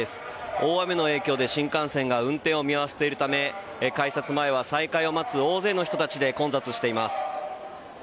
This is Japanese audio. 大雨の影響で新幹線が運転を見合わせているため改札前は再開を待つ大勢の人たちで混雑しています。